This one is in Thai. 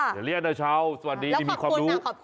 อย่าเรียกนะเช้าสวัสดีที่มีความรู้